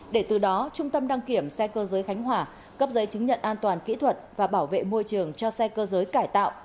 để từ đó trung tâm đăng kiểm xe cơ giới khánh hòa cấp giấy chứng nhận an toàn kỹ thuật và bảo vệ môi trường cho xe cơ giới cải tạo